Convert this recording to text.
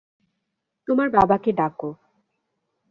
তোমার বাবাকে ডাকো।